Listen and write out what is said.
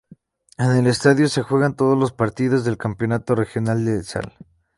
En este estadio se juegan todos los partidos del campeonato regional de Sal.